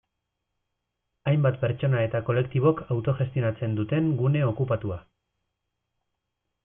Hainbat pertsona eta kolektibok autogestionatzen duten gune okupatua.